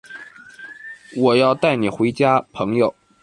我要带你回家，朋友。